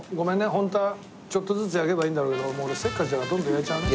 ホントはちょっとずつ焼けばいいんだろうけどもう俺せっかちだからどんどん焼いちゃうね。